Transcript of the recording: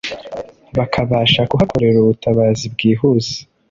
bakabasha kuhakorera ubutabazi bwihuse